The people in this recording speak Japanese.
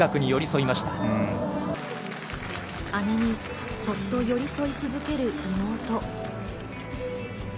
姉にそっと寄り添い続ける妹。